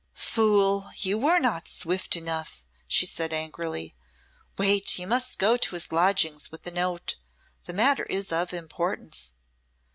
"Fool, you were not swift enough!" she said angrily. "Wait, you must go to his lodgings with a note. The matter is of importance."